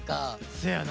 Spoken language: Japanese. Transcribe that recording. せやな。